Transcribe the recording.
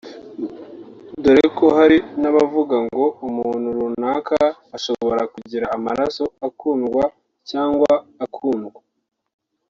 dore ko hari n’abavuga ngo umuntu runaka ashobora kugira amaraso akundwa cyangwa akundwa